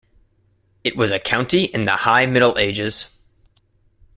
It was a county in the High Middle Ages.